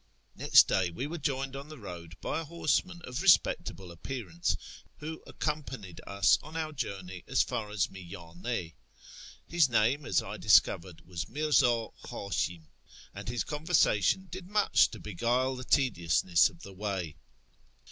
Next day we were joined on the road by a horseman of respectable appearance, who accompanied us on our journey as far as Miyane. His name, as I discovered, was Mirzu Htishim, and his conversation did much to beguile the tediousness of the way.